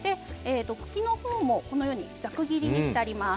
茎の方もこのようにざく切りにしてあります。